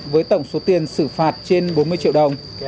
với tổng số tiền xử phạt trên bốn mươi triệu đồng